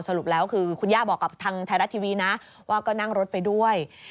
สรุปแล้วคือคุณย่าบอกกับทางไทยรัฐทีวีนะว่าก็นั่งรถไปด้วย